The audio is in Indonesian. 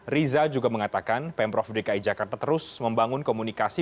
riza juga mengatakan pemprov dki jakarta terus membangun komunikasi